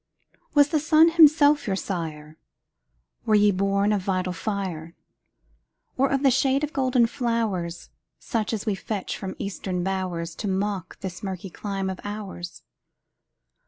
Was the sun himself your sire? Were ye born of vital fire? Or of the shade of golden flowers, Such as we fetch from Eastern bowers, To mock this murky clime of ours?